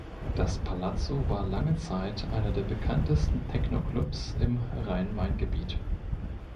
Das Palazzo war lange Zeit einer der bekanntesten Technoclubs im Rhein-Main-Gebiet.